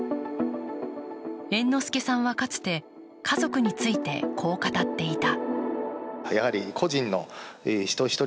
猿之助さんはかつて家族についてこう語っていた。